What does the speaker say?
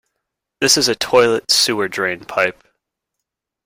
This is a toilet sewer drain pipe.